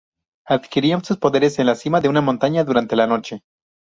Adquirían sus poderes en la cima de una montaña durante la noche.